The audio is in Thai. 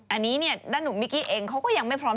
อันนี้เนี่ยด้านหนุ่มมิกกี้เองเขาก็ยังไม่พร้อม